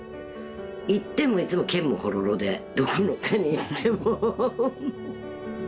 行ってもいつもけんもほろろでどこの課に行っても。